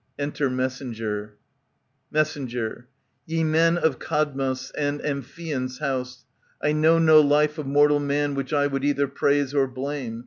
Enter Messenger. Mess, Ye men of Cadmos and Amphion's house,' I know no life of mortal man which I Would either praise or blame.